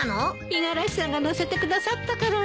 五十嵐さんが乗せてくださったからよ。